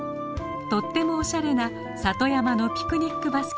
とってもおしゃれな里山のピクニックバスケットです。